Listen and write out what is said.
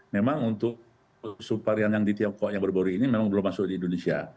memang untuk subvarian yang di tiongkok yang baru baru ini memang belum masuk di indonesia